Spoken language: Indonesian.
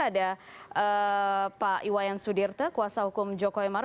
ada pak iwayan sudirte kuasa hukum joko emaro